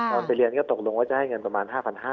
ตอนไปเรียนก็ตกลงว่าจะให้เงินประมาณ๕๕๐๐